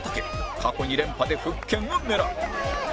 過去２連覇で復権を狙う